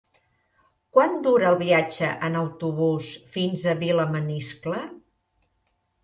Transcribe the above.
Quant dura el viatge en autobús fins a Vilamaniscle?